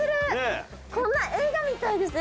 こんな映画みたいです。